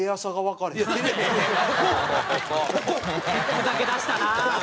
ふざけだしたなあ。